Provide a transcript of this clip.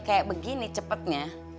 kayak begini cepetnya